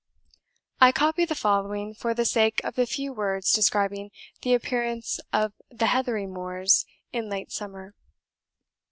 I copy the following, for the sake of the few words describing the appearance of the heathery moors in late summer.